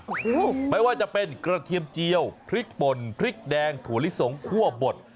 โอ้โหไม่ว่าจะเป็นกระเทียมเจียวพริกป่นพริกแดงถั่วลิสงคั่วบด